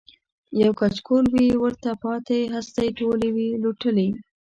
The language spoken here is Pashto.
یو کچکول وي ورته پاته هستۍ ټولي وي لوټلي